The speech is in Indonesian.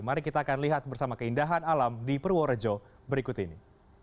mari kita akan lihat bersama keindahan alam di purworejo berikut ini